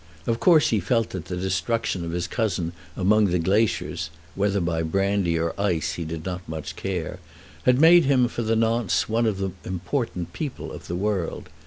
Of course he felt that the destruction of his cousin among the glaciers, whether by brandy or ice he did not much care, had made him for the nonce one of the important people of the world.